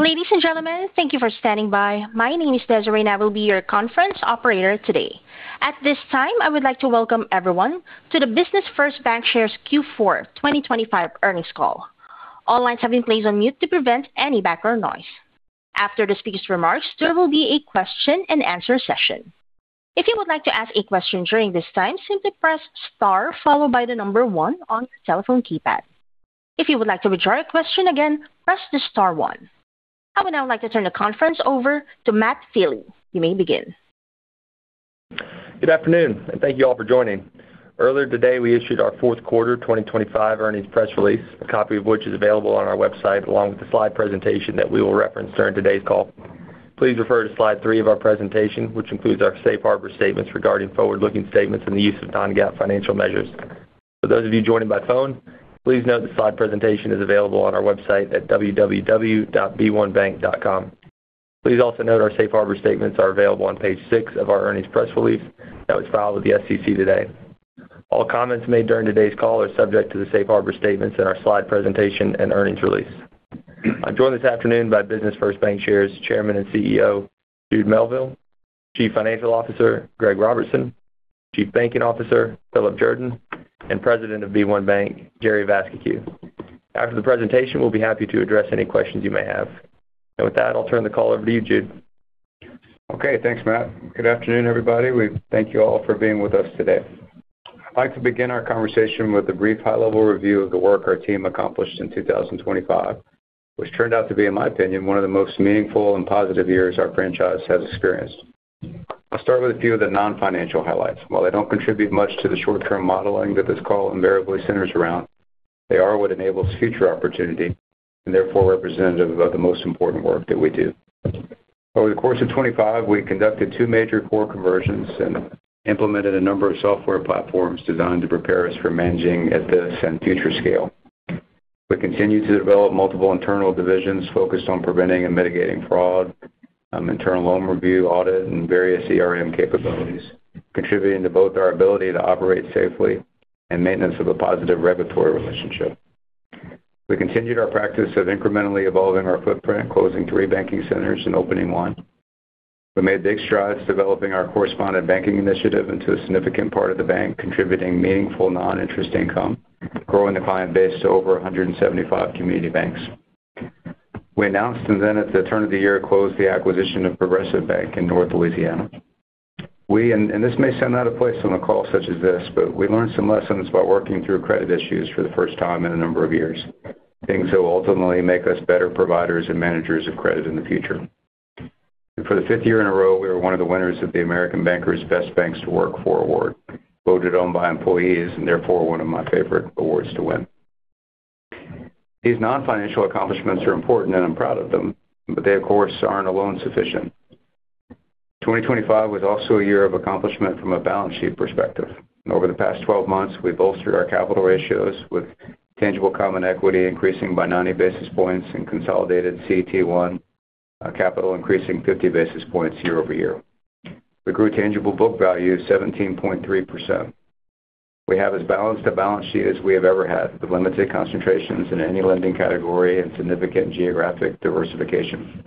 Ladies and gentlemen, thank you for standing by. My name is Desiree, and I will be your conference operator today. At this time, I would like to welcome everyone to the Business First Bancshares Q4 2025 earnings call. All lines have been placed on mute to prevent any background noise. After the speaker's remarks, there will be a question-and-answer session. If you would like to ask a question during this time, simply press star followed by the number one on your telephone keypad. If you would like to withdraw your question again, press the star one. I would now like to turn the conference over to Matt Sealy. You may begin. Good afternoon, and thank you all for joining. Earlier today, we issued our fourth quarter 2025 earnings press release, a copy of which is available on our website along with the slide presentation that we will reference during today's call. Please refer to slide three of our presentation, which includes our safe harbor statements regarding forward-looking statements and the use of non-GAAP financial measures. For those of you joining by phone, please note the slide presentation is available on our website at www.b1bank.com. Please also note our safe harbor statements are available on page six of our earnings press release that was filed with the SEC today. All comments made during today's call are subject to the safe harbor statements and our slide presentation and earnings release. I'm joined this afternoon by Business First Bancshares Chairman and CEO, Jude Melville, Chief Financial Officer, Greg Robertson, Chief Banking Officer, Philip Jordan, and President of B1 Bank, Jerry Vascocu. After the presentation, we'll be happy to address any questions you may have. And with that, I'll turn the call over to you, Jude. Okay, thanks, Matt. Good afternoon, everybody. We thank you all for being with us today. I'd like to begin our conversation with a brief high-level review of the work our team accomplished in 2025, which turned out to be, in my opinion, one of the most meaningful and positive years our franchise has experienced. I'll start with a few of the non-financial highlights. While they don't contribute much to the short-term modeling that this call invariably centers around, they are what enables future opportunity and therefore representative of the most important work that we do. Over the course of 2025, we conducted two major core conversions and implemented a number of software platforms designed to prepare us for managing at this and future scale. We continued to develop multiple internal divisions focused on preventing and mitigating fraud, internal loan review, audit, and various capabilities, contributing to both our ability to operate safely and maintenance of a positive regulatory relationship. We continued our practice of incrementally evolving our footprint, closing three banking centers and opening one. We made big strides developing our correspondent banking initiative into a significant part of the bank, contributing meaningful non-interest income, growing the client base to over 175 community banks. We announced and then, at the turn of the year, closed the acquisition of Progressive Bank in North Louisiana. We, and this may sound out of place on a call such as this, but we learned some lessons about working through credit issues for the first time in a number of years, things that will ultimately make us better providers and managers of credit in the future. And for the fifth year in a row, we were one of the winners of the American Banker Best Banks to Work for Award, voted on by employees and therefore one of my favorite awards to win. These non-financial accomplishments are important, and I'm proud of them, but they, of course, aren't alone sufficient. 2025 was also a year of accomplishment from a balance sheet perspective. Over the past 12 months, we've bolstered our capital ratios with tangible common equity increasing by 90 basis points and consolidated CET1 capital increasing 50 basis points year over year. We grew tangible book value 17.3%. We have as balanced a balance sheet as we have ever had, with limited concentrations in any lending category and significant geographic diversification.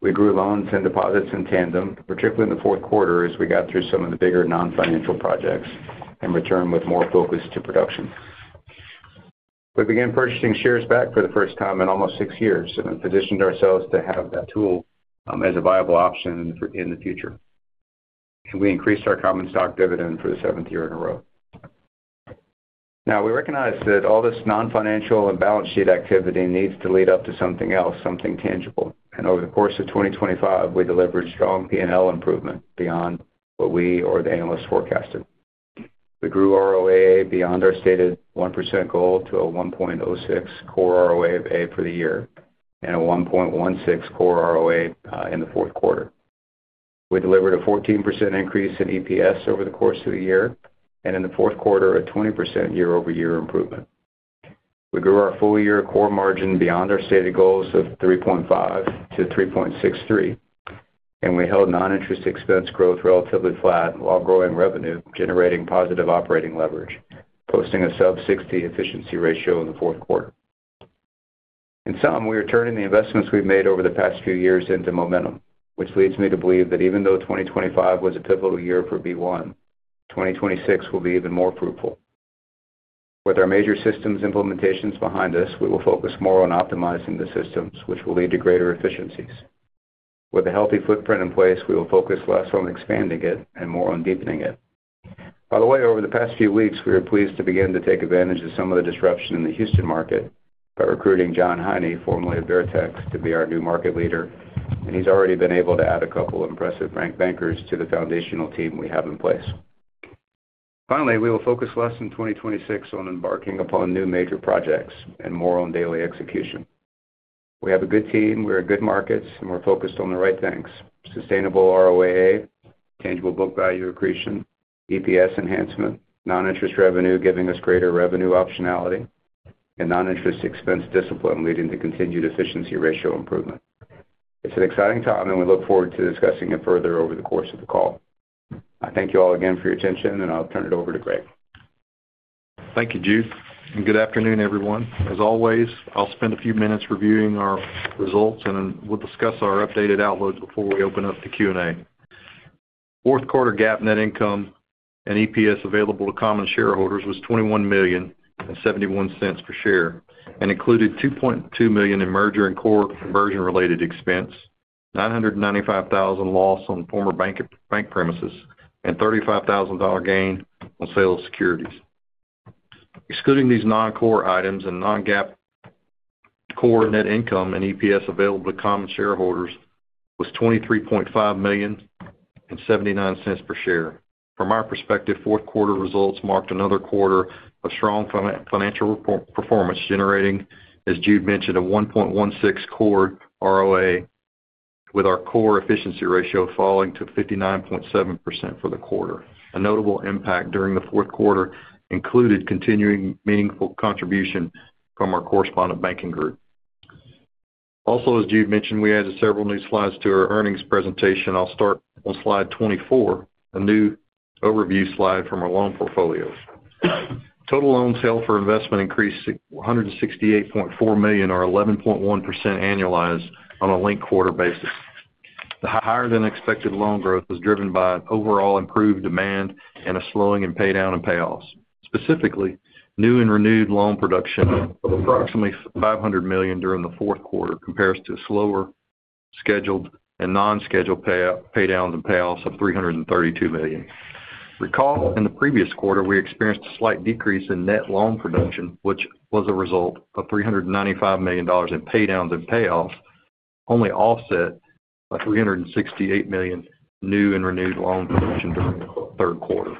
We grew loans and deposits in tandem, particularly in the fourth quarter as we got through some of the bigger non-financial projects and returned with more focus to production. We began purchasing shares back for the first time in almost six years and positioned ourselves to have that tool as a viable option in the future, and we increased our common stock dividend for the seventh year in a row. Now, we recognize that all this non-financial and balance sheet activity needs to lead up to something else, something tangible, and over the course of 2025, we delivered strong P&L improvement beyond what we or the analysts forecasted. We grew ROAA beyond our stated 1% goal to a 1.06 core ROAA for the year and a 1.16 core ROAA in the fourth quarter. We delivered a 14% increase in EPS over the course of the year and in the fourth quarter, a 20% year-over-year improvement. We grew our full-year core margin beyond our stated goals of 3.5%-3.63%, and we held non-interest expense growth relatively flat while growing revenue, generating positive operating leverage, posting a sub-60% efficiency ratio in the fourth quarter. In sum, we are turning the investments we've made over the past few years into momentum, which leads me to believe that even though 2025 was a pivotal year for B1, 2026 will be even more fruitful. With our major systems implementations behind us, we will focus more on optimizing the systems, which will lead to greater efficiencies. With a healthy footprint in place, we will focus less on expanding it and more on deepening it. By the way, over the past few weeks, we were pleased to begin to take advantage of some of the disruption in the Houston market by recruiting John Heine, formerly of Veritex, to be our new market leader, and he's already been able to add a couple of impressive bankers to the foundational team we have in place. Finally, we will focus less in 2026 on embarking upon new major projects and more on daily execution. We have a good team, we're in good markets, and we're focused on the right things: sustainable ROAA, tangible book value accretion, EPS enhancement, non-interest revenue giving us greater revenue optionality, and non-interest expense discipline leading to continued efficiency ratio improvement. It's an exciting time, and we look forward to discussing it further over the course of the call. I thank you all again for your attention, and I'll turn it over to Greg. Thank you, Jude. And good afternoon, everyone. As always, I'll spend a few minutes reviewing our results, and we'll discuss our updated outlook before we open up the Q&A. Fourth quarter GAAP net income and EPS available to common shareholders was $21.71 per share and included $2.2 million in merger and core conversion-related expense, $995,000 loss on former bank premises, and $35,000 gain on sale of securities. Excluding these non-core items and non-GAAP core net income and EPS available to common shareholders was $23.579 per share. From our perspective, fourth quarter results marked another quarter of strong financial performance, generating, as Jude mentioned, a 1.16 core ROA with our core efficiency ratio falling to 59.7% for the quarter. A notable impact during the fourth quarter included continuing meaningful contribution from our correspondent banking group. Also, as Jude mentioned, we added several new slides to our earnings presentation. I'll start on slide 24, a new overview slide from our loan portfolios. Total loans held for investment increased $168.4 million, or 11.1% annualized on a linked quarter basis. The higher-than-expected loan growth was driven by overall improved demand and a slowing in paydowns and payoffs. Specifically, new and renewed loan production of approximately $500 million during the fourth quarter compares to slower scheduled and non-scheduled paydowns and payoffs of $332 million. Recall, in the previous quarter, we experienced a slight decrease in net loan production, which was a result of $395 million in paydowns and payoffs, only offset by $368 million new and renewed loan production during the third quarter.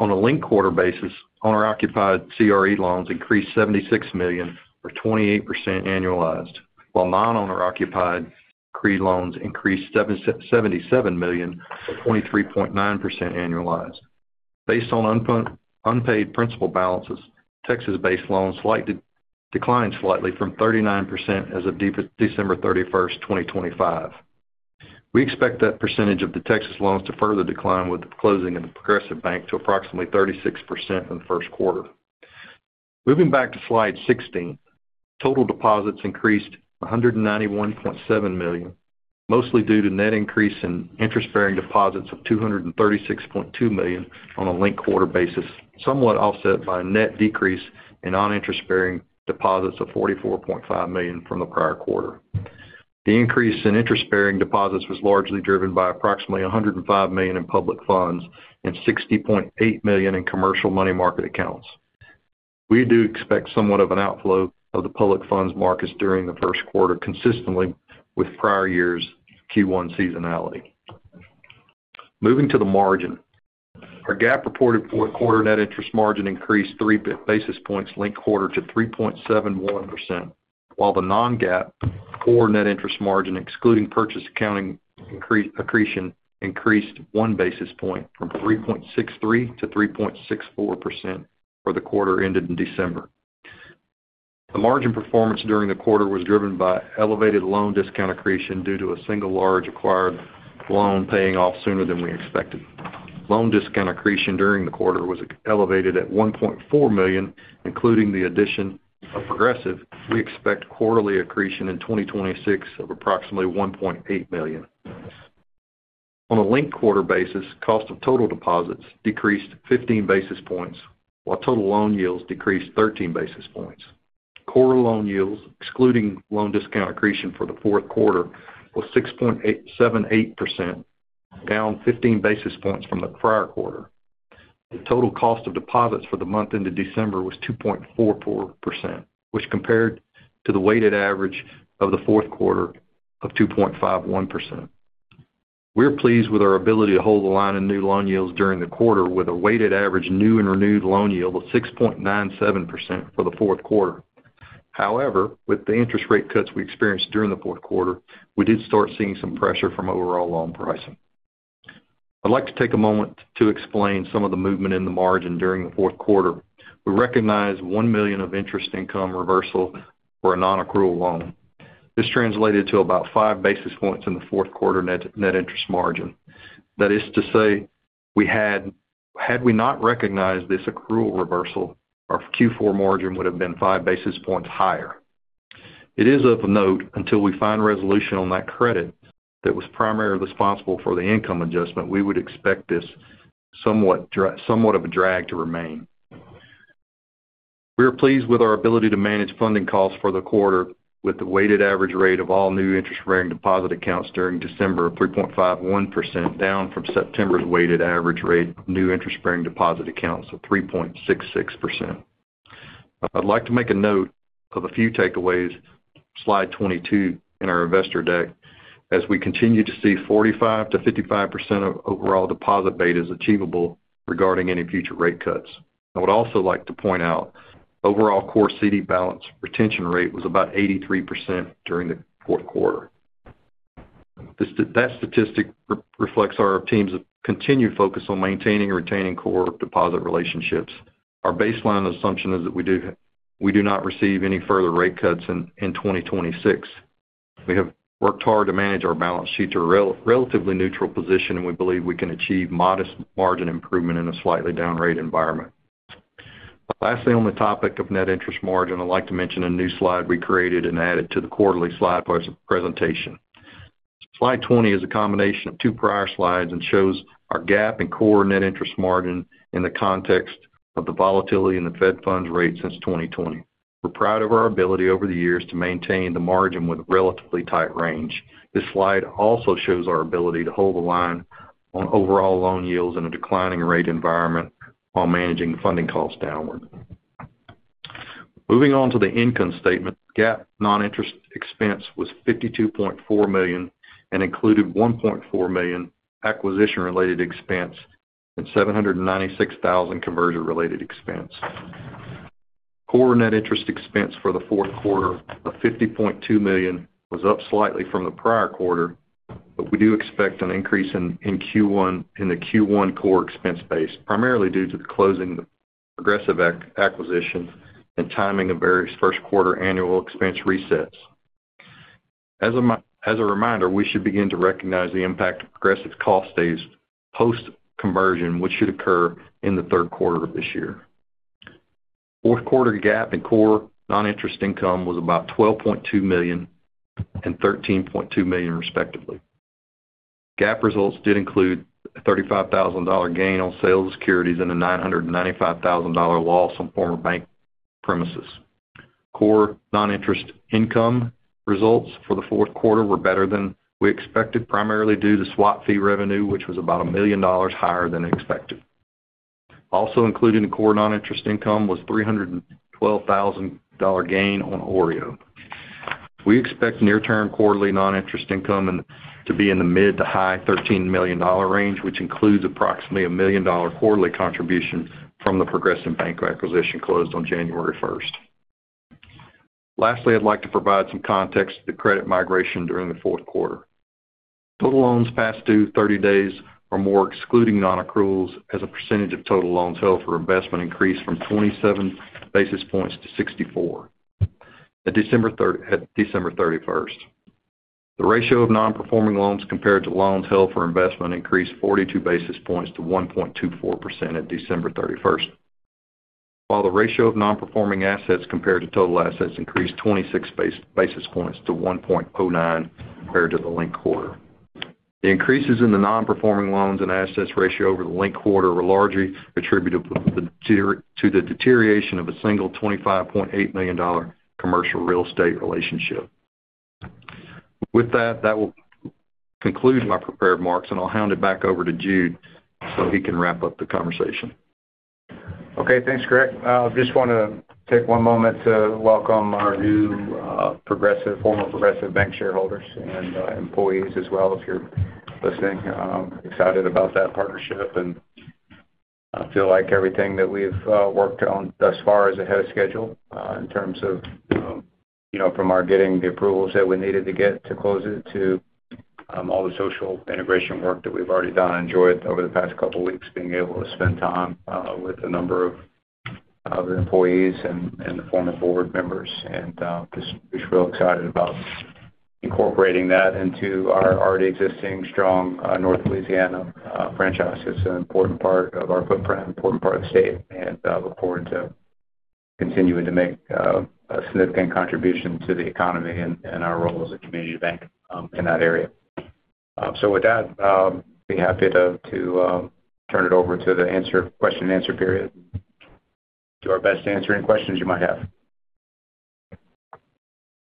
On a linked quarter basis, owner-occupied CRE loans increased $76 million, or 28% annualized, while non-owner-occupied CRE loans increased $77 million, or 23.9% annualized. Based on unpaid principal balances, Texas-based loans declined slightly from 39% as of December 31st, 2025. We expect that percentage of the Texas loans to further decline with the closing of the Progressive Bank to approximately 36% in the first quarter. Moving back to slide 16, total deposits increased $191.7 million, mostly due to net increase in interest-bearing deposits of $236.2 million on a linked quarter basis, somewhat offset by a net decrease in non-interest-bearing deposits of $44.5 million from the prior quarter. The increase in interest-bearing deposits was largely driven by approximately $105 million in public funds and $60.8 million in commercial money market accounts. We do expect somewhat of an outflow of the public funds markets during the first quarter, consistent with prior years' Q1 seasonality. Moving to the margin, our GAAP reported fourth quarter net interest margin increased three basis points linked quarter to 3.71%, while the non-GAAP core net interest margin, excluding purchase accounting accretion, increased one basis point from 3.63% to 3.64% for the quarter ended in December. The margin performance during the quarter was driven by elevated loan discount accretion due to a single large acquired loan paying off sooner than we expected. Loan discount accretion during the quarter was elevated at $1.4 million, including the addition of Progressive. We expect quarterly accretion in 2026 of approximately $1.8 million. On a linked quarter basis, cost of total deposits decreased 15 basis points, while total loan yields decreased 13 basis points. Core loan yields, excluding loan discount accretion for the fourth quarter, was 6.78%, down 15 basis points from the prior quarter. The total cost of deposits for the month into December was 2.44%, which compared to the weighted average of the fourth quarter of 2.51%. We're pleased with our ability to hold the line in new loan yields during the quarter with a weighted average new and renewed loan yield of 6.97% for the fourth quarter. However, with the interest rate cuts we experienced during the fourth quarter, we did start seeing some pressure from overall loan pricing. I'd like to take a moment to explain some of the movement in the margin during the fourth quarter. We recognized $1 million of interest income reversal for a non-accrual loan. This translated to about five basis points in the fourth quarter net interest margin. That is to say, had we not recognized this accrual reversal, our Q4 margin would have been five basis points higher. It is of note, until we find resolution on that credit that was primarily responsible for the income adjustment, we would expect somewhat of a drag to remain. We are pleased with our ability to manage funding costs for the quarter with the weighted average rate of all new interest-bearing deposit accounts during December of 3.51%, down from September's weighted average rate new interest-bearing deposit accounts of 3.66%. I'd like to make a note of a few takeaways, slide 22 in our investor deck, as we continue to see 45%-55% of overall deposit beta is achievable regarding any future rate cuts. I would also like to point out overall core CD balance retention rate was about 83% during the fourth quarter. That statistic reflects our team's continued focus on maintaining and retaining core deposit relationships. Our baseline assumption is that we do not receive any further rate cuts in 2026. We have worked hard to manage our balance sheet to a relatively neutral position, and we believe we can achieve modest margin improvement in a slightly down rate environment. Lastly, on the topic of net interest margin, I'd like to mention a new slide we created and added to the quarterly slide presentation. Slide 20 is a combination of two prior slides and shows our GAAP and core net interest margin in the context of the volatility in the Fed funds rate since 2020. We're proud of our ability over the years to maintain the margin with a relatively tight range. This slide also shows our ability to hold the line on overall loan yields in a declining rate environment while managing funding costs downward. Moving on to the income statement, GAAP non-interest expense was $52.4 million and included $1.4 million acquisition-related expense and $796,000 conversion-related expense. Core non-interest expense for the fourth quarter of $50.2 million was up slightly from the prior quarter, but we do expect an increase in the Q1 core expense base, primarily due to the closing of Progressive acquisition and timing of various first quarter annual expense resets. As a reminder, we should begin to recognize the impact of Progressive's cost savings post-conversion, which should occur in the third quarter of this year. Fourth quarter GAAP and core non-interest income was about $12.2 million and $13.2 million, respectively. GAAP results did include a $35,000 gain on sales of securities and a $995,000 loss on former bank premises. Core non-interest income results for the fourth quarter were better than we expected, primarily due to swap fee revenue, which was about $1 million higher than expected. Also included in core non-interest income was $312,000 gain on OREO. We expect near-term quarterly non-interest income to be in the mid- to high-$13 million range, which includes approximately $1 million quarterly contribution from the Progressive Bank acquisition closed on January 1st. Lastly, I'd like to provide some context to credit migration during the fourth quarter. Total loans past due 30 days or more, excluding non-accruals, as a percentage of total loans held for investment increased from 27 basis points to 64 at December 31st. The ratio of non-performing loans compared to loans held for investment increased 42 basis points to 1.24% at December 31st, while the ratio of non-performing assets compared to total assets increased 26 basis points to 1.09% compared to the linked quarter. The increases in the non-performing loans and assets ratio over the linked quarter were largely attributable to the deterioration of a single $25.8 million commercial real estate relationship. With that, that will conclude my prepared remarks, and I'll hand it back over to Jude so he can wrap up the conversation. Okay, thanks, Greg. I just want to take one moment to welcome our new former Progressive Bank shareholders and employees as well, if you're listening. I'm excited about that partnership, and I feel like everything that we've worked on thus far is ahead of schedule in terms of from our getting the approvals that we needed to get to close it to all the social integration work that we've already done. I enjoyed over the past couple of weeks being able to spend time with a number of employees and former board members, and just really excited about incorporating that into our already existing strong North Louisiana franchise. It's an important part of our footprint, an important part of the state, and I look forward to continuing to make a significant contribution to the economy and our role as a community bank in that area. So with that, I'd be happy to turn it over to the question and answer period to answer any questions you might have.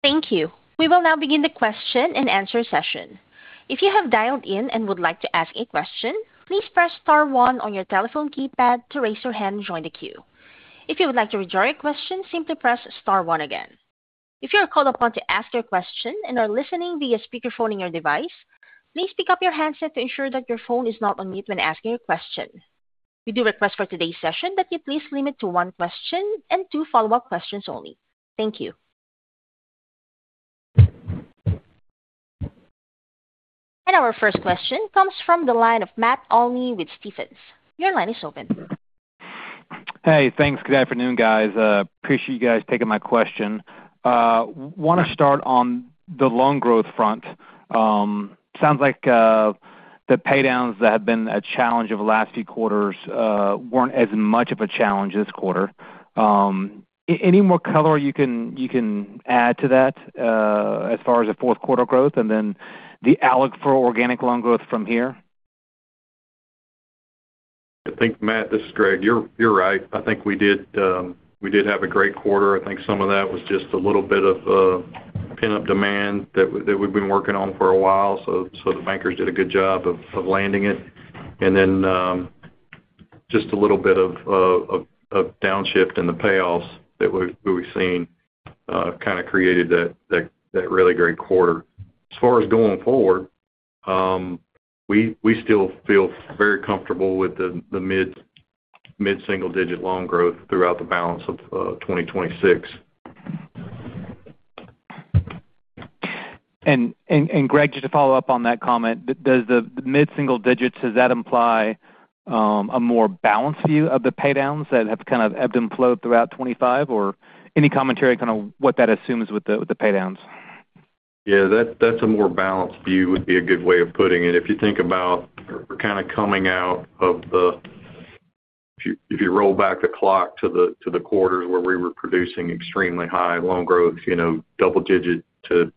Thank you. We will now begin the question and answer session. If you have dialed in and would like to ask a question, please press star one on your telephone keypad to raise your hand and join the queue. If you would like to withdraw your question, simply press star one again. If you are called upon to ask your question and are listening via speakerphone on your device, please pick up your handset to ensure that your phone is not on mute when asking your question. We do request for today's session that you please limit to one question and two follow-up questions only. Thank you, and our first question comes from the line of Matt Olney with Stephens. Your line is open. Hey, thanks. Good afternoon, guys. Appreciate you guys taking my question. I want to start on the loan growth front. Sounds like the paydowns that have been a challenge over the last few quarters weren't as much of a challenge this quarter. Any more color you can add to that as far as the fourth quarter growth and then the outlook for organic loan growth from here? I think, Matt, this is Greg. You're right. I think we did have a great quarter. I think some of that was just a little bit of pipeline demand that we've been working on for a while. So the bankers did a good job of landing it. And then just a little bit of downshift in the payoffs that we've seen kind of created that really great quarter. As far as going forward, we still feel very comfortable with the mid-single-digit loan growth throughout the balance of 2026. Greg, just to follow up on that comment, the mid-single digits, does that imply a more balanced view of the paydowns that have kind of ebbed and flowed throughout 2025? Or any commentary on kind of what that assumes with the paydowns? Yeah, that's a more balanced view would be a good way of putting it. If you think about kind of coming out of, if you roll back the clock to the quarters where we were producing extremely high loan growth, double-digit to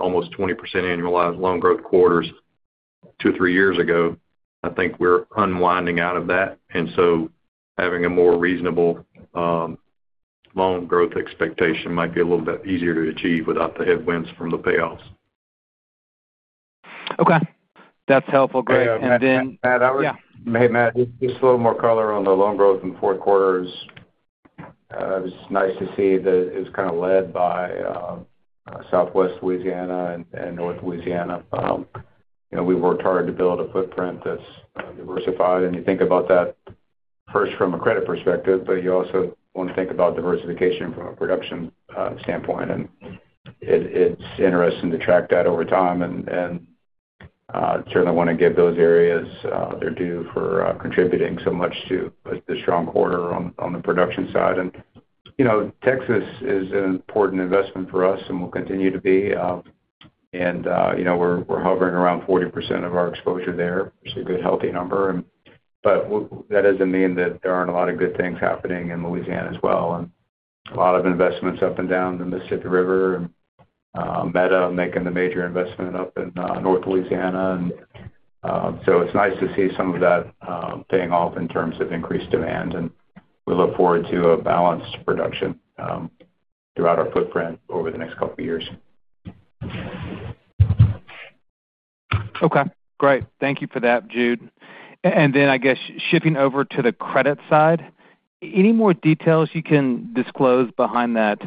almost 20% annualized loan growth quarters two or three years ago, I think we're unwinding out of that. And so having a more reasonable loan growth expectation might be a little bit easier to achieve without the headwinds from the payoffs. Okay. That's helpful, Greg, and then. Hey, Matt, just a little more color on the loan growth in the fourth quarter. It was nice to see that it was kind of led by Southwest Louisiana and North Louisiana. We worked hard to build a footprint that's diversified, and you think about that first from a credit perspective, but you also want to think about diversification from a production standpoint, and it's interesting to track that over time, and certainly want to give those areas their due for contributing so much to the strong quarter on the production side, and Texas is an important investment for us and will continue to be, and we're hovering around 40% of our exposure there, which is a good, healthy number, but that doesn't mean that there aren't a lot of good things happening in Louisiana as well. And a lot of investments up and down the Mississippi River and Meta making the major investment up in North Louisiana. And so it's nice to see some of that paying off in terms of increased demand. And we look forward to a balanced production throughout our footprint over the next couple of years. Okay. Great. Thank you for that, Jude. And then I guess shifting over to the credit side, any more details you can disclose behind that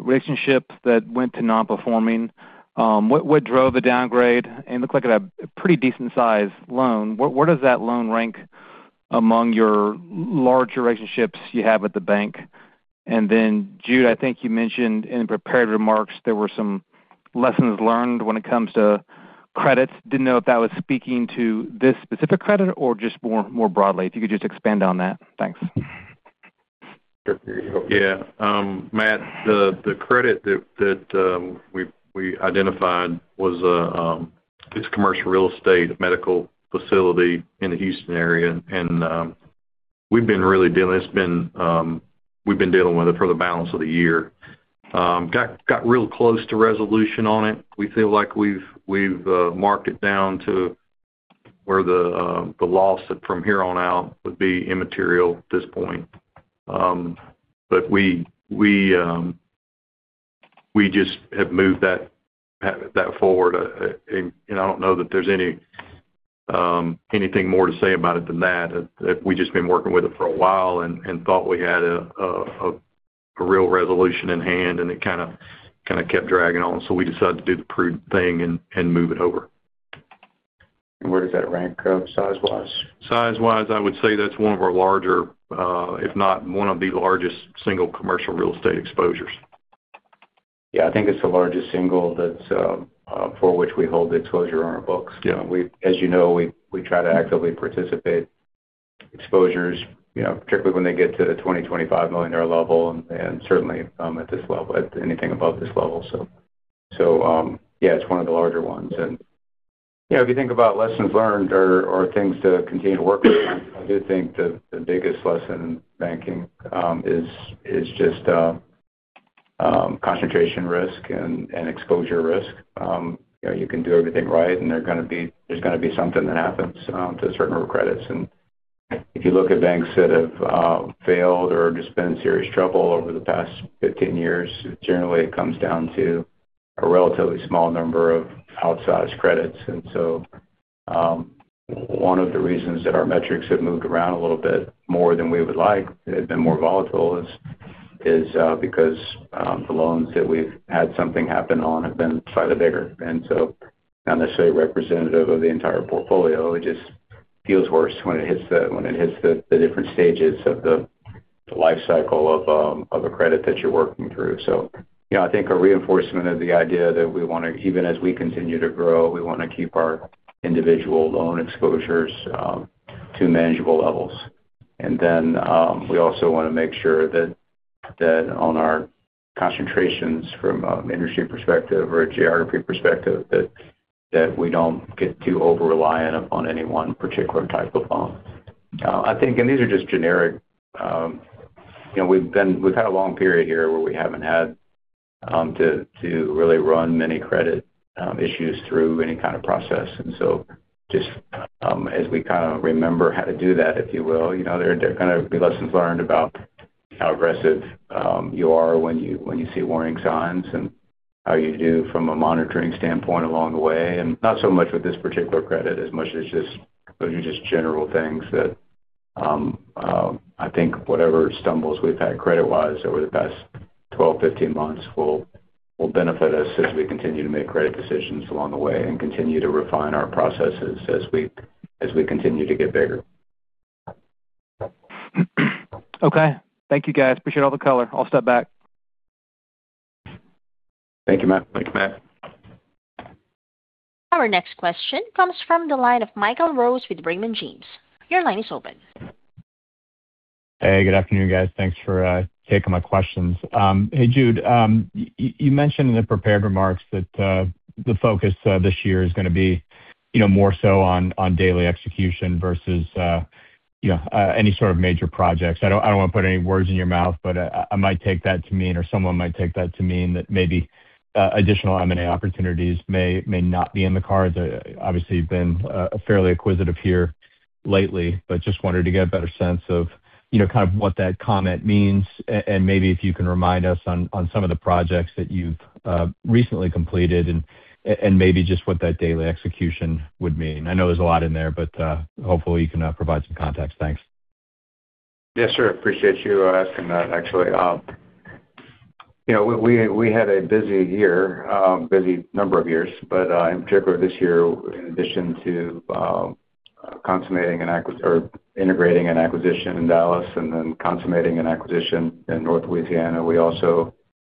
relationship that went to non-performing? What drove the downgrade? And it looks like a pretty decent-sized loan. Where does that loan rank among your larger relationships you have at the bank? And then, Jude, I think you mentioned in the prepared remarks there were some lessons learned when it comes to credit. Didn't know if that was speaking to this specific credit or just more broadly. If you could just expand on that. Thanks. Yeah. Matt, the credit that we identified was a commercial real estate medical facility in the Houston area. And we've been really dealing with it. We've been dealing with it for the balance of the year. Got real close to resolution on it. We feel like we've marked it down to where the loss from here on out would be immaterial at this point. But we just have moved that forward. And I don't know that there's anything more to say about it than that. We've just been working with it for a while and thought we had a real resolution in hand, and it kind of kept dragging on. So we decided to do the prudent thing and move it over. Where does that rank size-wise? Size-wise, I would say that's one of our larger, if not one of the largest single commercial real estate exposures. Yeah, I think it's the largest single for which we hold the exposure on our books. As you know, we try to actively participate exposures, particularly when they get to the $20-$25 million level and certainly at this level, at anything above this level. So yeah, it's one of the larger ones. If you think about lessons learned or things to continue to work with, I do think the biggest lesson in banking is just concentration risk and exposure risk. You can do everything right, and there's going to be something that happens to a certain number of credits. If you look at banks that have failed or just been in serious trouble over the past 15 years, it generally comes down to a relatively small number of outsized credits. And so, one of the reasons that our metrics have moved around a little bit more than we would like, they've been more volatile, is because the loans that we've had something happen on have been slightly bigger. And so, not necessarily representative of the entire portfolio. It just feels worse when it hits the different stages of the life cycle of a credit that you're working through. So, I think a reinforcement of the idea that we want to, even as we continue to grow, we want to keep our individual loan exposures to manageable levels. And then, we also want to make sure that on our concentrations from an industry perspective or a geography perspective, that we don't get too over-reliant upon any one particular type of loan. I think, and these are just generic, we've had a long period here where we haven't had to really run many credit issues through any kind of process, and so just as we kind of remember how to do that, if you will, there are going to be lessons learned about how aggressive you are when you see warning signs and how you do from a monitoring standpoint along the way, and not so much with this particular credit, as much as just general things that I think whatever stumbles we've had credit-wise over the past 12, 15 months will benefit us as we continue to make credit decisions along the way and continue to refine our processes as we continue to get bigger. Okay. Thank you, guys. Appreciate all the color. I'll step back. Thank you, Matt. Thank you, Matt. Our next question comes from the line of Michael Rose with Raymond James. Your line is open. Hey, good afternoon, guys. Thanks for taking my questions. Hey, Jude, you mentioned in the prepared remarks that the focus this year is going to be more so on daily execution versus any sort of major projects. I don't want to put any words in your mouth, but I might take that to mean, or someone might take that to mean, that maybe additional M&A opportunities may not be in the cards. Obviously, you've been fairly acquisitive here lately, but just wanted to get a better sense of kind of what that comment means. And maybe if you can remind us on some of the projects that you've recently completed and maybe just what that daily execution would mean. I know there's a lot in there, but hopefully you can provide some context. Thanks. Yes, sir. Appreciate you asking that, actually. We had a busy year, busy number of years, but in particular this year, in addition to consummating and integrating an acquisition in Dallas and then consummating an acquisition in North Louisiana, we also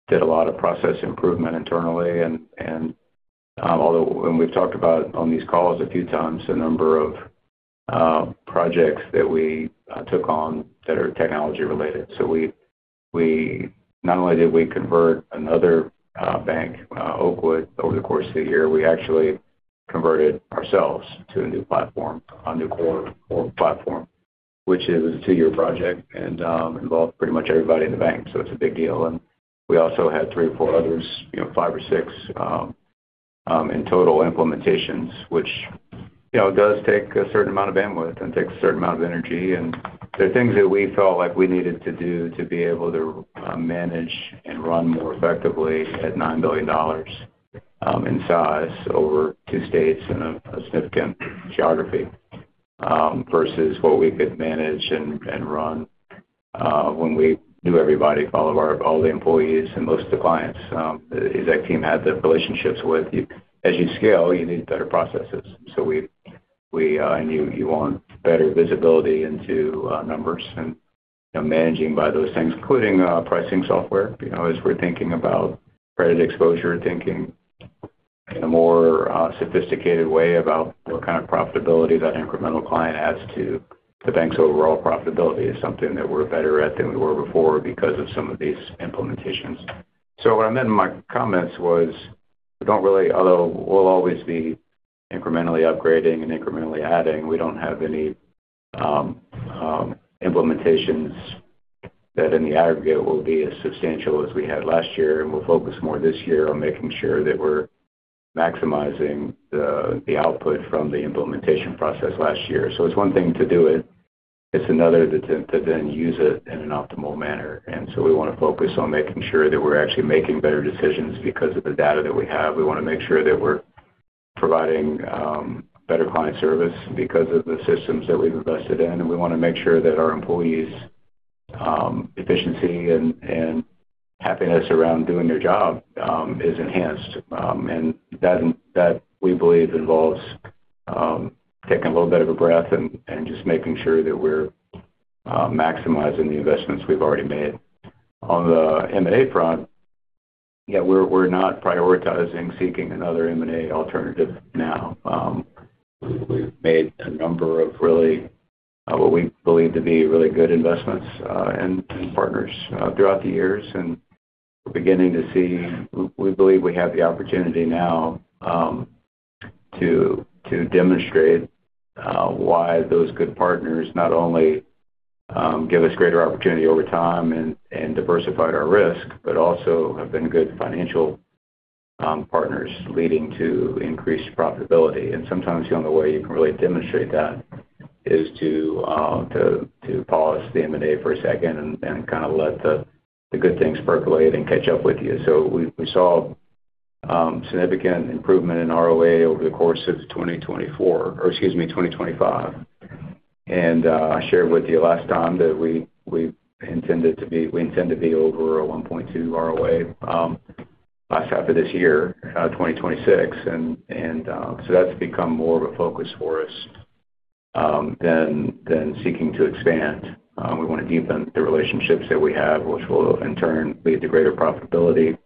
did a lot of process improvement internally. Although we've talked about on these calls a few times the number of projects that we took on that are technology-related, not only did we convert another bank, Oakwood, over the course of the year, we actually converted ourselves to a new platform, a new core platform, which was a two-year project and involved pretty much everybody in the bank. It's a big deal. We also had three or four others, five or six in total implementations, which does take a certain amount of bandwidth and takes a certain amount of energy. There are things that we felt like we needed to do to be able to manage and run more effectively at $9 billion in size over two states and a significant geography versus what we could manage and run when we knew everybody, all the employees, and most of the clients that the team had the relationships with. As you scale, you need better processes. And you want better visibility into numbers and managing by those things, including pricing software. As we're thinking about credit exposure, thinking in a more sophisticated way about what kind of profitability that incremental client adds to the bank's overall profitability is something that we're better at than we were before because of some of these implementations. So what I meant in my comments was we'll always be incrementally upgrading and incrementally adding. We don't have any implementations that in the aggregate will be as substantial as we had last year. And we'll focus more this year on making sure that we're maximizing the output from the implementation process last year. So it's one thing to do it. It's another to then use it in an optimal manner. And so we want to focus on making sure that we're actually making better decisions because of the data that we have. We want to make sure that we're providing better client service because of the systems that we've invested in. And we want to make sure that our employees' efficiency and happiness around doing their job is enhanced. And that, we believe, involves taking a little bit of a breath and just making sure that we're maximizing the investments we've already made. On the M&A front, yeah, we're not prioritizing seeking another M&A alternative now. We've made a number of really what we believe to be really good investments and partners throughout the years. And we're beginning to see we believe we have the opportunity now to demonstrate why those good partners not only give us greater opportunity over time and diversified our risk, but also have been good financial partners leading to increased profitability. And sometimes the only way you can really demonstrate that is to pause the M&A for a second and kind of let the good things percolate and catch up with you. So we saw significant improvement in ROA over the course of 2024 or excuse me, 2025. And I shared with you last time that we intended to be we intend to be over a 1.2 ROA by the end of this year, 2026. And so that's become more of a focus for us than seeking to expand. We want to deepen the relationships that we have, which will in turn lead to greater profitability,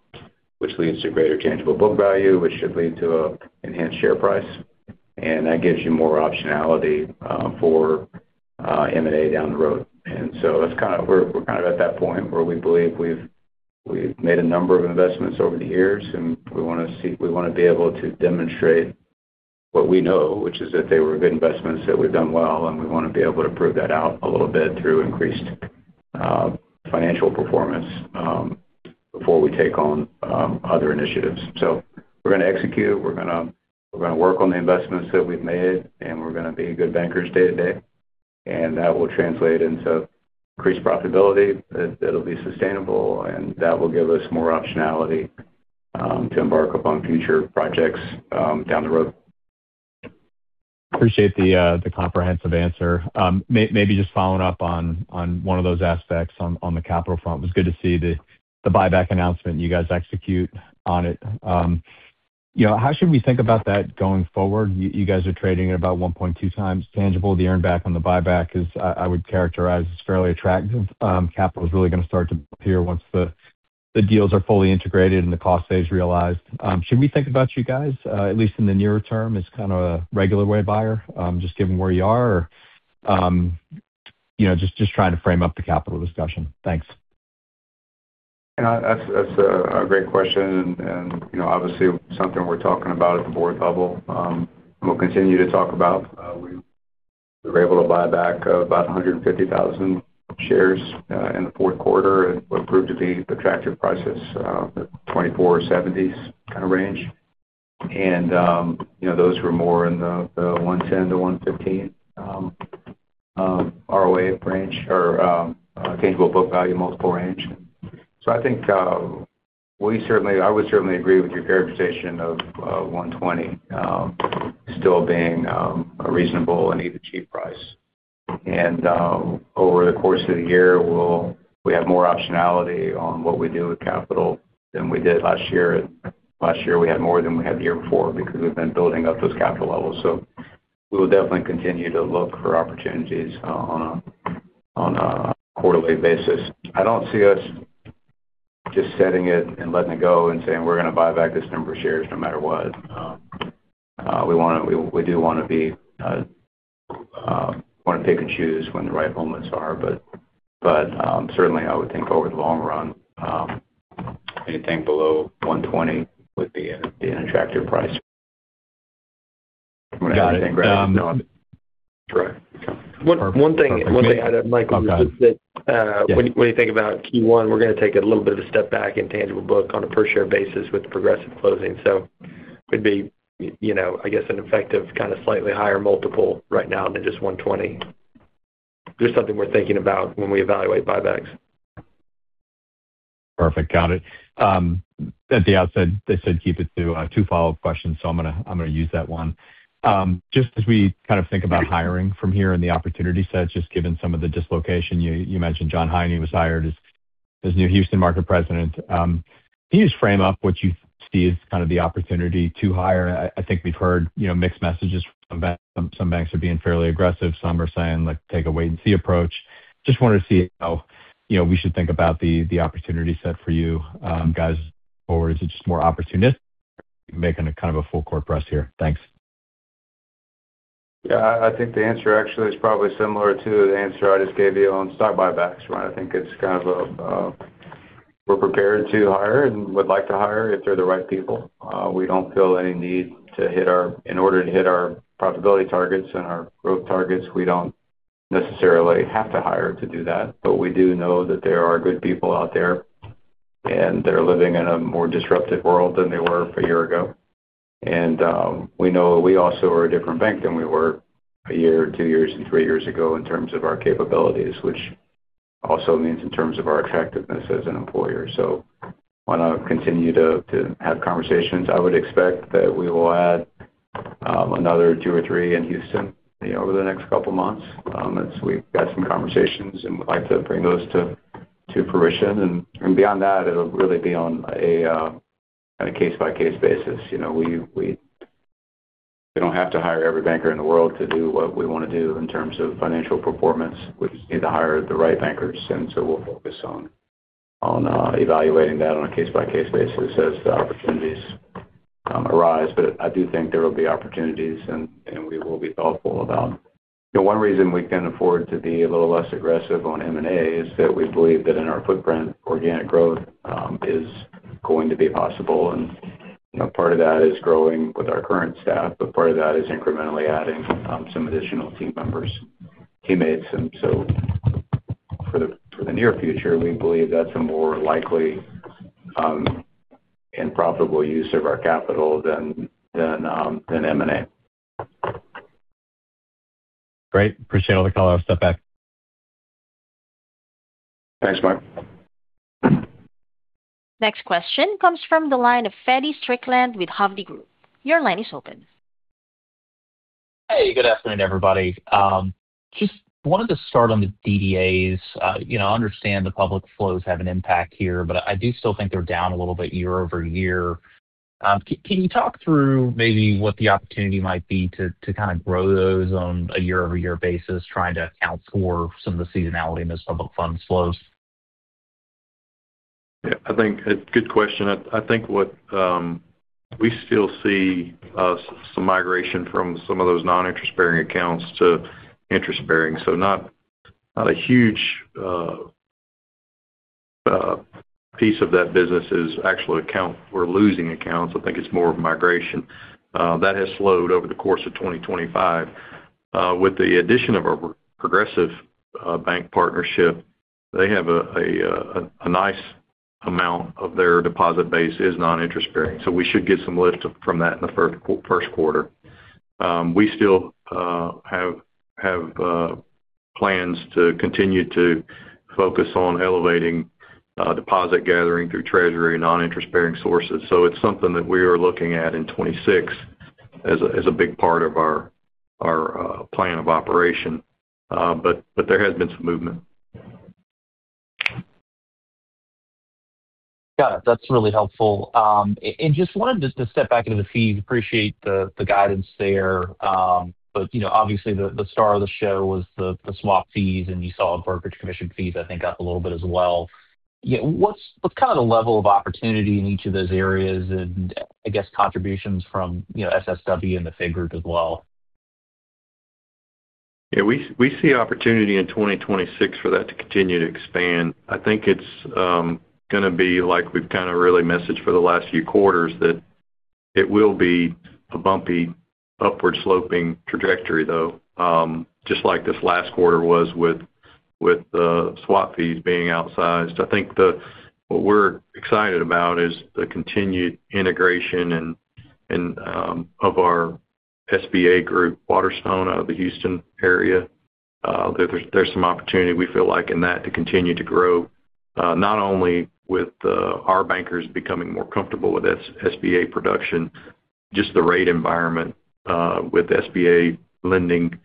which leads to greater tangible book value, which should lead to an enhanced share price. And that gives you more optionality for M&A down the road. And so we're kind of at that point where we believe we've made a number of investments over the years. And we want to be able to demonstrate what we know, which is that they were good investments that we've done well. And we want to be able to prove that out a little bit through increased financial performance before we take on other initiatives. So we're going to execute. We're going to work on the investments that we've made. And we're going to be good bankers day to day. And that will translate into increased profitability that'll be sustainable. And that will give us more optionality to embark upon future projects down the road. Appreciate the comprehensive answer. Maybe just following up on one of those aspects on the capital front, it was good to see the buyback announcement you guys execute on it. How should we think about that going forward? You guys are trading at about 1.2 times tangible. The earnback on the buyback is, I would characterize, fairly attractive. Capital is really going to start to appear once the deals are fully integrated and the cost stays realized. Should we think about you guys, at least in the near term, as kind of a regular way buyer, just given where you are? Or just trying to frame up the capital discussion? Thanks. That's a great question, and obviously, something we're talking about at the board level and we'll continue to talk about. We were able to buy back about 150,000 shares in the fourth quarter at what proved to be attractive prices, 24.70s kind of range. And those were more in the 110 to 115 ROA range or tangible book value multiple range. So I think I would certainly agree with your characterization of 120 still being a reasonable and even cheap price. And over the course of the year, we have more optionality on what we do with capital than we did last year. Last year, we had more than we had the year before because we've been building up those capital levels. So we will definitely continue to look for opportunities on a quarterly basis. I don't see us just setting it and letting it go and saying, "We're going to buy back this number of shares no matter what." We do want to pick and choose when the right moments are. But certainly, I would think over the long run, anything below $120 would be an attractive price. Got it. Correct. One thing I'd add, Michael, is that when you think about Q1, we're going to take a little bit of a step back in tangible book on a per-share basis with Progressive closing. So it'd be, I guess, an effective kind of slightly higher multiple right now than just 120. Just something we're thinking about when we evaluate buybacks. Perfect. Got it. At the outset, they said keep it to two follow-up questions. So I'm going to use that one. Just as we kind of think about hiring from here and the opportunity set, just given some of the dislocation, you mentioned John Heine was hired as new Houston market president. Can you just frame up what you see as kind of the opportunity to hire? I think we've heard mixed messages from some banks are being fairly aggressive. Some are saying take a wait-and-see approach. Just wanted to see how we should think about the opportunity set for you guys or is it just more opportunistic? Making a kind of a full court press here. Thanks. Yeah. I think the answer actually is probably similar to the answer I just gave you on stock buybacks, right? I think it's kind of we're prepared to hire and would like to hire if they're the right people. We don't feel any need to hire in order to hit our profitability targets and our growth targets, we don't necessarily have to hire to do that. But we do know that there are good people out there, and they're living in a more disruptive world than they were a year ago. And we know we also are a different bank than we were a year, two years, and three years ago in terms of our capabilities, which also means in terms of our attractiveness as an employer. So we want to continue to have conversations. I would expect that we will add another two or three in Houston over the next couple of months as we've got some conversations and would like to bring those to fruition, and beyond that, it'll really be on a case-by-case basis. We don't have to hire every banker in the world to do what we want to do in terms of financial performance. We just need to hire the right bankers, and so we'll focus on evaluating that on a case-by-case basis as the opportunities arise, but I do think there will be opportunities, and we will be thoughtful about one reason we can afford to be a little less aggressive on M&A is that we believe that in our footprint, organic growth is going to be possible. And part of that is growing with our current staff, but part of that is incrementally adding some additional team members, teammates. And so for the near future, we believe that's a more likely and profitable use of our capital than M&A. Great. Appreciate all the callouts. Step back. Thanks, Mike. Next question comes from the line of Feddie Strickland with Hovde Group. Your line is open. Hey, good afternoon, everybody. Just wanted to start on the DDAs. I understand the public flows have an impact here, but I do still think they're down a little bit year over year. Can you talk through maybe what the opportunity might be to kind of grow those on a year-over-year basis, trying to account for some of the seasonality in those public funds flows? Yeah. I think it's a good question. I think we still see some migration from some of those non-interest-bearing accounts to interest-bearing. So not a huge piece of that business is actual account. We're losing accounts. I think it's more of migration. That has slowed over the course of 2025. With the addition of our Progressive Bank partnership, they have a nice amount of their deposit base is non-interest-bearing. So we should get some lift from that in the first quarter. We still have plans to continue to focus on elevating deposit gathering through Treasury and non-interest-bearing sources. So it's something that we are looking at in 2026 as a big part of our plan of operation. But there has been some movement. Got it. That's really helpful. And just wanted to step back into the fees. Appreciate the guidance there. But obviously, the star of the show was the swap fees, and you saw brokerage commission fees, I think, up a little bit as well. What's kind of the level of opportunity in each of those areas and, I guess, contributions from SSW and the F.A. group as well? Yeah. We see opportunity in 2026 for that to continue to expand. I think it's going to be like we've kind of really messaged for the last few quarters that it will be a bumpy, upward-sloping trajectory, though, just like this last quarter was with the swap fees being outsized. I think what we're excited about is the continued integration of our SBA group, Waterstone out of the Houston area. There's some opportunity, we feel like, in that to continue to grow, not only with our bankers becoming more comfortable with SBA production, just the rate environment with SBA lending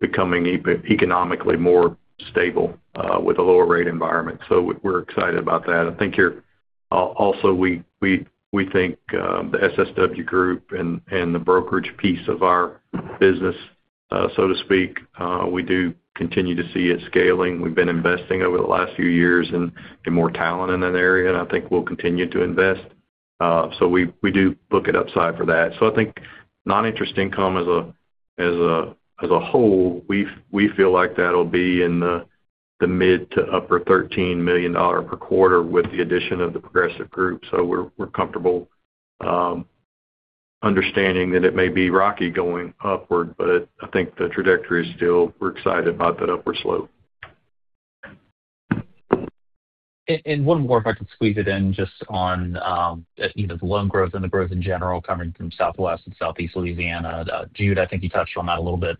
becoming economically more stable with a lower rate environment. So we're excited about that. I think here also, we think the SSW group and the brokerage piece of our business, so to speak, we do continue to see it scaling. We've been investing over the last few years in more talent in that area, and I think we'll continue to invest. So we do look at upside for that. So I think non-interest income as a whole, we feel like that'll be in the mid to upper $13 million per quarter with the addition of the progressive group. So we're comfortable understanding that it may be rocky going upward, but I think the trajectory is still, we're excited about that upward slope. One more, if I can squeeze it in, just on the loan growth and the growth in general coming from Southwest and Southeast Louisiana. Jude, I think you touched on that a little bit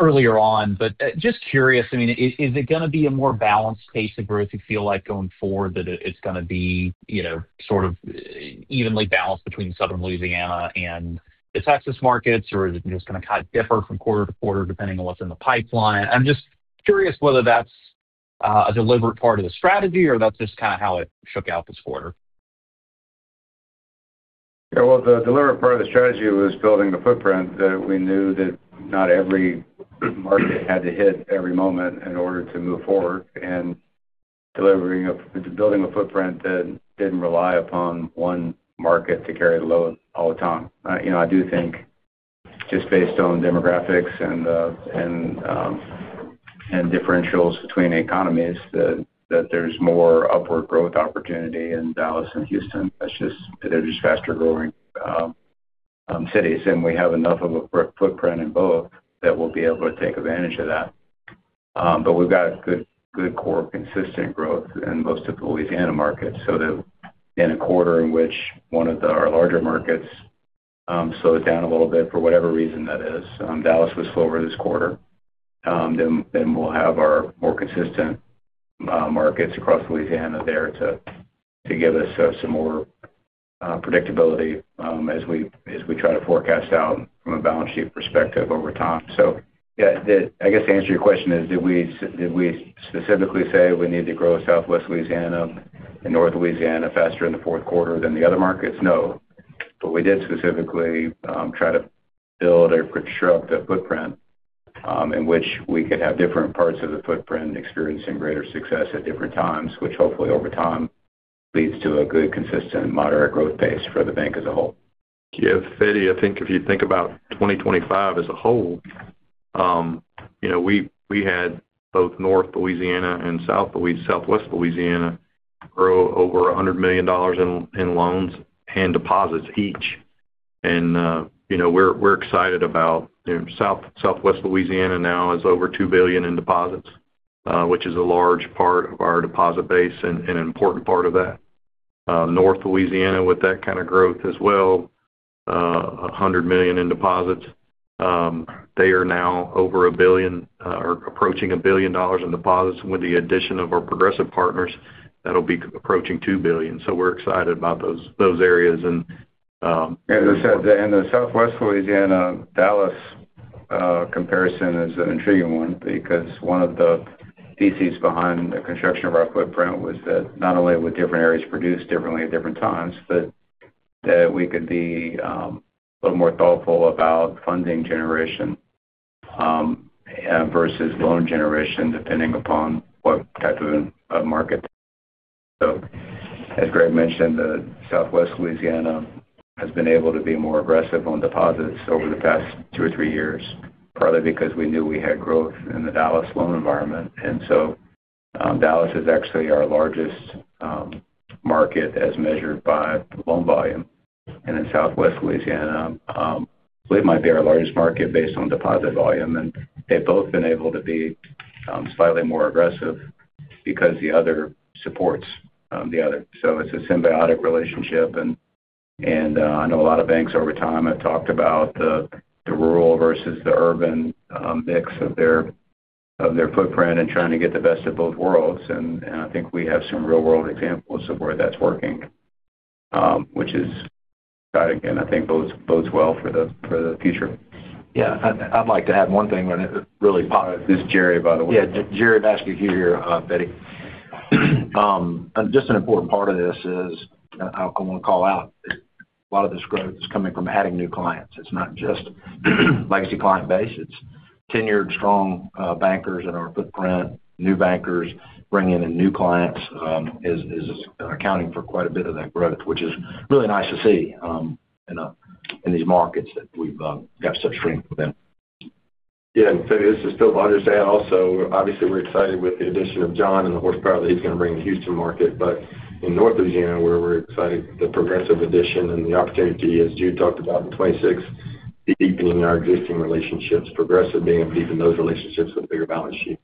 earlier on. But just curious, I mean, is it going to be a more balanced pace of growth you feel like going forward, that it's going to be sort of evenly balanced between Southern Louisiana and the Texas markets, or is it just going to kind of differ from quarter to quarter depending on what's in the pipeline? I'm just curious whether that's a deliberate part of the strategy or that's just kind of how it shook out this quarter. Yeah. Well, the deliberate part of the strategy was building the footprint that we knew that not every market had to hit every moment in order to move forward. And building a footprint that didn't rely upon one market to carry the load all the time. I do think just based on demographics and differentials between economies that there's more upward growth opportunity in Dallas and Houston. They're just faster-growing cities. And we have enough of a footprint in both that we'll be able to take advantage of that. But we've got good, core consistent growth in most of the Louisiana markets. So in a quarter in which one of our larger markets slows down a little bit for whatever reason that is, Dallas was slower this quarter, then we'll have our more consistent markets across Louisiana there to give us some more predictability as we try to forecast out from a balance sheet perspective over time. So yeah, I guess to answer your question is, did we specifically say we need to grow Southwest Louisiana and North Louisiana faster in the fourth quarter than the other markets? No. But we did specifically try to build or construct a footprint in which we could have different parts of the footprint experiencing greater success at different times, which hopefully over time leads to a good, consistent, moderate growth pace for the bank as a whole. Yeah. Feddie, I think if you think about 2025 as a whole, we had both North Louisiana and Southwest Louisiana grow over $100 million in loans and deposits each. And we're excited about Southwest Louisiana now is over $2 billion in deposits, which is a large part of our deposit base and an important part of that. North Louisiana with that kind of growth as well, $100 million in deposits. They are now over a billion or approaching a billion dollars in deposits. With the addition of our Progressive partners, that'll be approaching $2 billion. So we're excited about those areas. The Southwest Louisiana-Dallas comparison is an intriguing one because one of the theses behind the construction of our footprint was that not only would different areas produce differently at different times, but that we could be a little more thoughtful about funding generation versus loan generation depending upon what type of market. As Greg mentioned, Southwest Louisiana has been able to be more aggressive on deposits over the past two or three years, partly because we knew we had growth in the Dallas loan environment. Dallas is actually our largest market as measured by loan volume. In Southwest Louisiana, I believe it might be our largest market based on deposit volume. They've both been able to be slightly more aggressive because the other supports the other. It's a symbiotic relationship. I know a lot of banks over time have talked about the rural versus the urban mix of their footprint and trying to get the best of both worlds. I think we have some real-world examples of where that's working, which is, again, I think bodes well for the future. Yeah. I'd like to add one thing really. This is Jerry, by the way. Yeah. Jerry Vascocu here, Feddie. Just an important part of this is I want to call out a lot of this growth is coming from adding new clients. It's not just legacy client base. It's tenured, strong bankers in our footprint. New bankers bringing in new clients is accounting for quite a bit of that growth, which is really nice to see in these markets that we've got such strength within. Yeah. And Feddie, this is Philip Jordan saying also, obviously, we're excited with the addition of John and the horsepower that he's going to bring to the Houston market. But in North Louisiana, we're excited with the Progressive addition and the opportunity, as Jude talked about, in 2026, deepening our existing relationships, progressively deepening those relationships with a bigger balance sheet.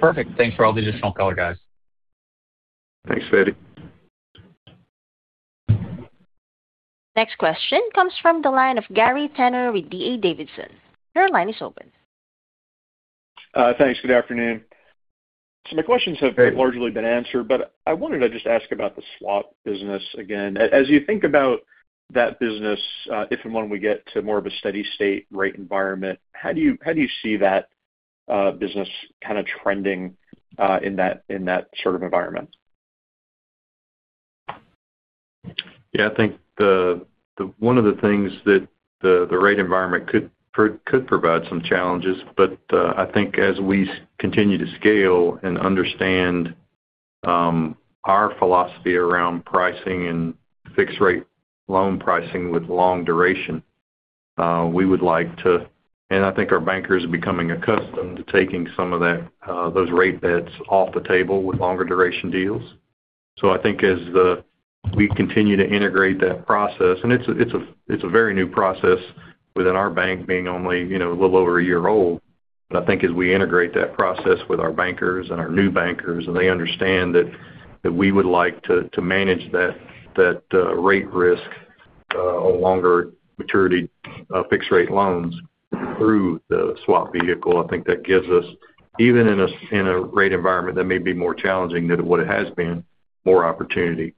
Perfect. Thanks for all the additional color, guys. Thanks, Fatty. Next question comes from the line of Gary Tenner with D.A. Davidson. Your line is open. Thanks. Good afternoon. So my questions have largely been answered, but I wanted to just ask about the swap business again. As you think about that business, if and when we get to more of a steady-state rate environment, how do you see that business kind of trending in that sort of environment? Yeah. I think one of the things that the rate environment could provide some challenges, but I think as we continue to scale and understand our philosophy around pricing and fixed-rate loan pricing with long duration, we would like to, and I think our bankers are becoming accustomed to taking some of those rate bets off the table with longer-duration deals. So I think as we continue to integrate that process, and it's a very new process within our bank being only a little over a year old, but I think as we integrate that process with our bankers and our new bankers and they understand that we would like to manage that rate risk on longer-maturity fixed-rate loans through the swap vehicle, I think that gives us, even in a rate environment that may be more challenging than what it has been, more opportunity.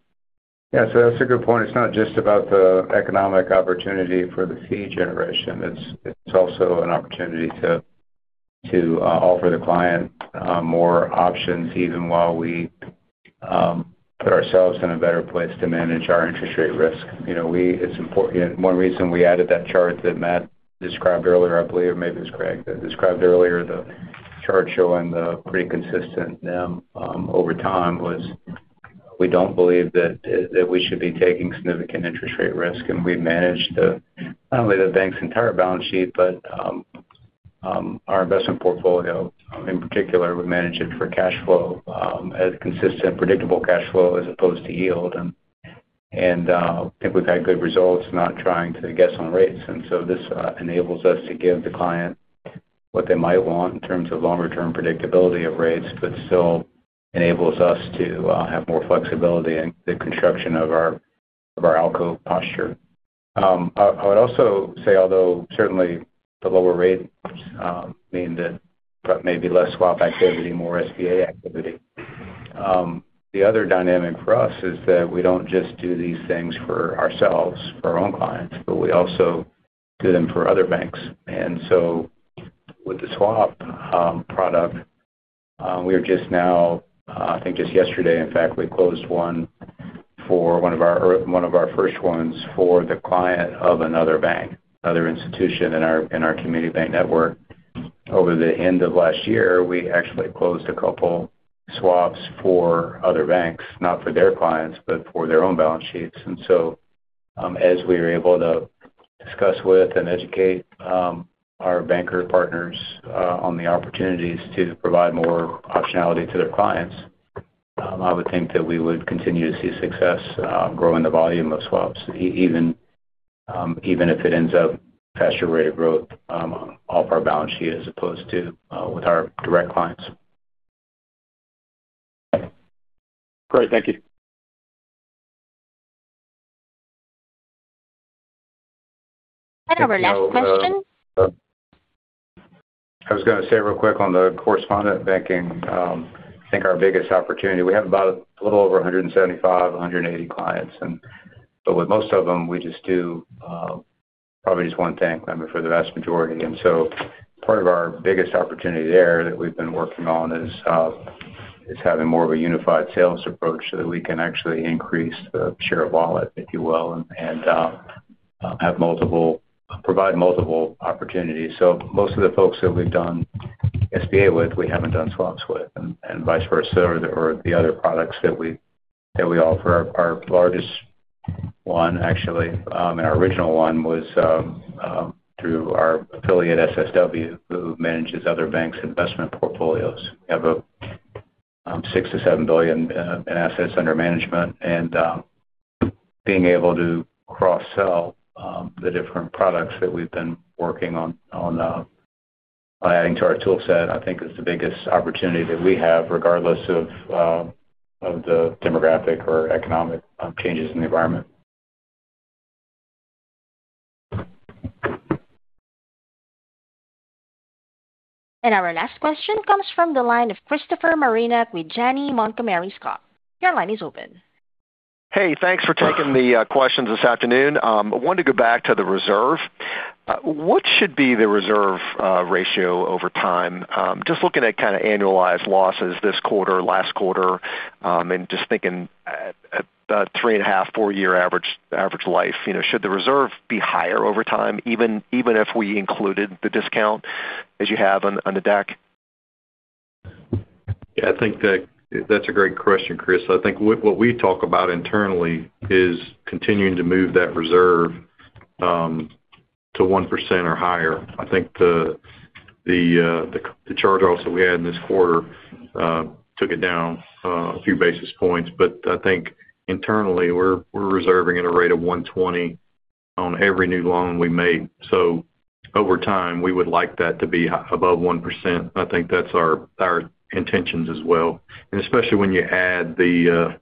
Yeah. So that's a good point. It's not just about the economic opportunity for the fee generation. It's also an opportunity to offer the client more options even while we put ourselves in a better place to manage our interest rate risk. One reason we added that chart that Matt described earlier, I believe, or maybe it was Greg that described earlier, the chart showing the pretty consistent over time was we don't believe that we should be taking significant interest rate risk, and we manage not only the bank's entire balance sheet, but our investment portfolio in particular. We manage it for cash flow as consistent, predictable cash flow as opposed to yield, and I think we've had good results not trying to guess on rates. And so this enables us to give the client what they might want in terms of longer-term predictability of rates, but still enables us to have more flexibility in the construction of our outgoing posture. I would also say, although certainly the lower rates mean that maybe less swap activity, more SBA activity, the other dynamic for us is that we don't just do these things for ourselves, for our own clients, but we also do them for other banks. And so with the swap product, we are just now, I think just yesterday, in fact, we closed one for one of our first ones for the client of another bank, another institution in our community bank network. Over the end of last year, we actually closed a couple swaps for other banks, not for their clients, but for their own balance sheets. And so as we were able to discuss with and educate our banker partners on the opportunities to provide more optionality to their clients, I would think that we would continue to see success growing the volume of swaps, even if it ends up a faster rate of growth off our balance sheet as opposed to with our direct clients. Great. Thank you. Our last question. I was going to say real quick on the correspondent banking. I think our biggest opportunity, we have about a little over 175-180 clients. But with most of them, we just do probably just one thing for the vast majority. And so part of our biggest opportunity there that we've been working on is having more of a unified sales approach so that we can actually increase the share of wallet, if you will, and provide multiple opportunities. So most of the folks that we've done SBA with, we haven't done swaps with, and vice versa or the other products that we offer. Our largest one, actually, and our original one was through our affiliate SSW, who manages other banks' investment portfolios. We have $6 billion to $7 billion in assets under management. Being able to cross-sell the different products that we've been working on adding to our toolset, I think, is the biggest opportunity that we have regardless of the demographic or economic changes in the environment. Our last question comes from the line of Christopher Marinac with Janney Montgomery Scott. Your line is open. Hey. Thanks for taking the questions this afternoon. I wanted to go back to the reserve. What should be the reserve ratio over time? Just looking at kind of annualized losses this quarter, last quarter, and just thinking about three and a half, four-year average life, should the reserve be higher over time, even if we included the discount as you have on the deck? Yeah. I think that's a great question, Chris. I think what we talk about internally is continuing to move that reserve to 1% or higher. I think the charge-offs that we had in this quarter took it down a few basis points. But I think internally, we're reserving at a rate of 120 on every new loan we make. So over time, we would like that to be above 1%. I think that's our intentions as well. And especially when you add the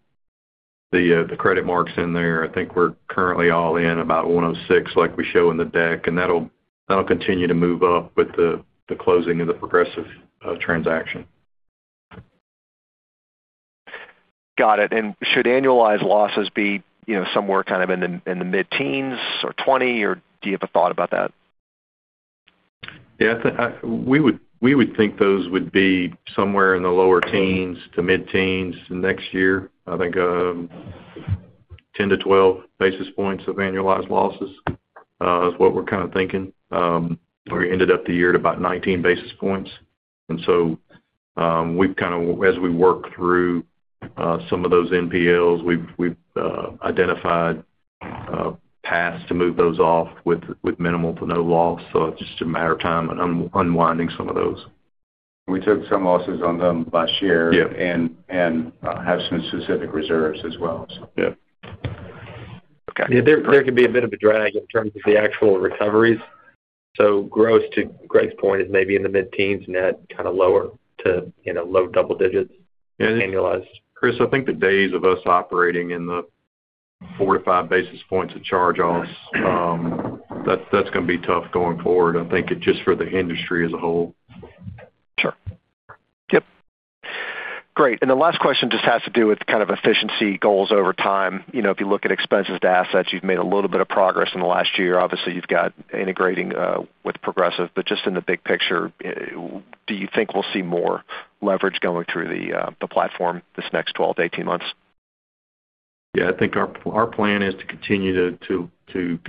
credit marks in there, I think we're currently all in about 106 like we show in the deck. And that'll continue to move up with the closing of the Progressive transaction. Got it, and should annualized losses be somewhere kind of in the mid-teens or 20, or do you have a thought about that? Yeah. We would think those would be somewhere in the lower teens to mid-teens next year. I think 10-12 basis points of annualized losses is what we're kind of thinking. We ended up the year at about 19 basis points. And so we've kind of, as we work through some of those NPLs, we've identified paths to move those off with minimal to no loss. So it's just a matter of time unwinding some of those. We took some losses on them last year and have some specific reserves as well. Yeah. Okay. Yeah. There could be a bit of a drag in terms of the actual recoveries. So gross, to Greg's point, is maybe in the mid-teens and that kind of lower to low double digits annualized. Yeah. Chris, I think the days of us operating in the four to five basis points of charge-offs, that's going to be tough going forward, I think, just for the industry as a whole. Sure. Yep. Great. And the last question just has to do with kind of efficiency goals over time. If you look at expenses to assets, you've made a little bit of progress in the last year. Obviously, you've got integrating with Progressive. But just in the big picture, do you think we'll see more leverage going through the platform this next 12-18 months? Yeah. I think our plan is to continue to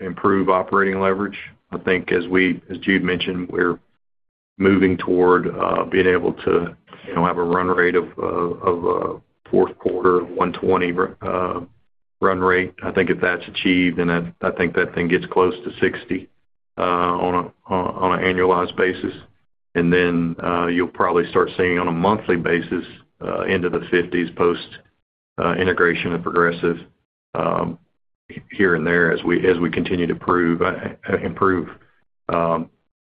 improve operating leverage. I think, as Jude mentioned, we're moving toward being able to have a run rate of fourth quarter 120 run rate. I think if that's achieved, then I think that thing gets close to 60 on an annualized basis. And then you'll probably start seeing on a monthly basis into the 50s post-integration of Progressive here and there as we continue to improve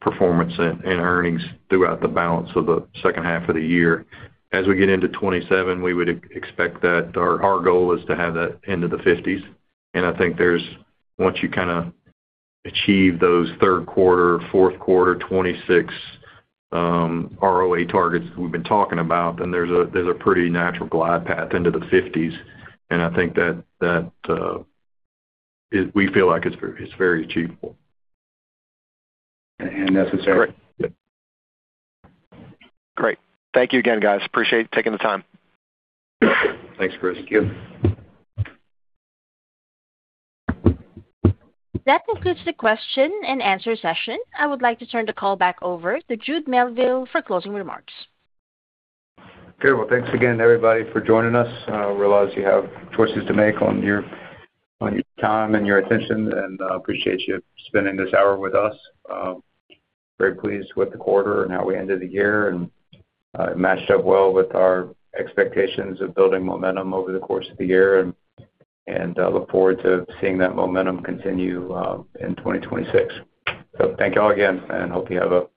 performance and earnings throughout the balance of the second half of the year. As we get into 2027, we would expect that our goal is to have that into the 50s. And I think once you kind of achieve those third quarter, fourth quarter, 2026 ROA targets that we've been talking about, then there's a pretty natural glide path into the 50s. And I think that we feel like it's very achievable. And necessary. Great. Thank you again, guys. Appreciate taking the time. Thanks, Chris. Thank you. That concludes the question and answer session. I would like to turn the call back over to Jude Melville for closing remarks. Okay, well, thanks again, everybody, for joining us. I realize you have choices to make on your time and your attention, and I appreciate you spending this hour with us. Very pleased with the quarter and how we ended the year, and it matched up well with our expectations of building momentum over the course of the year, and I look forward to seeing that momentum continue in 2026, so thank you all again, and hope you have a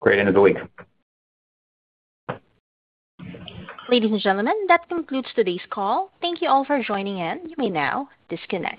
great end of the week. Ladies and gentlemen, that concludes today's call. Thank you all for joining in. You may now disconnect.